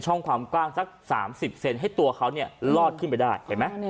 ความกว้างสัก๓๐เซนให้ตัวเขาเนี่ยลอดขึ้นไปได้เห็นไหม